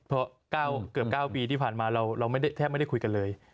เพราะเกือบ๙ปีที่ผ่านมาเราแทบไม่ได้คุยกันเลย